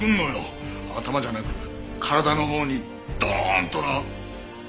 頭じゃなく体のほうにドーンとな。